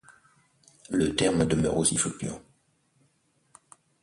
Le terme demeure aussi fluctuant.